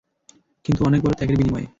কিন্তু অনেক বড় ত্যাগের বিনিময়ে।